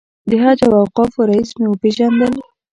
د حج او اوقافو رییس مې پېژندل.